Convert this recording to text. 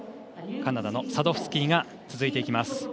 カナダのサドフスキーが続いていきます。